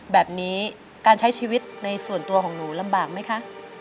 แบบนี้การใช้ชีวิตในส่วนตัวของหนูลำบากไหมคะ